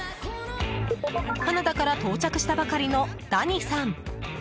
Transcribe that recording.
カナダから到着したばかりのダニさん。